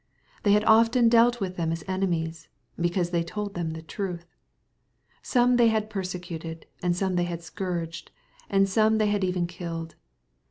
They had often dealt with them as enemies, because they told them the truth. Some they had persecuted, and some they had scourged, tnd some they had even killed.